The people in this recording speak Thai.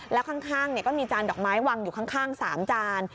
แล้วข้างก็มีจานดอกไม้วางอยู่ข้าง๓จาน